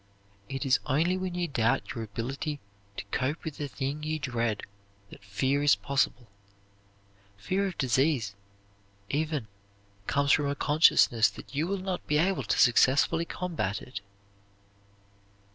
It is only when you doubt your ability to cope with the thing you dread that fear is possible. Fear of disease, even, comes from a consciousness that you will not be able to successfully combat it.